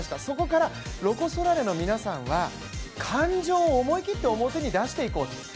そこから、ロコ・ソラーレの皆さんは感情を思い切って、表に出していこうと。